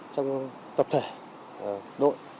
trong tập thể đội